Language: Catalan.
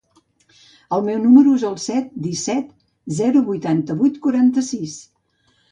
El meu número es el set, disset, zero, vuitanta-vuit, quaranta-sis.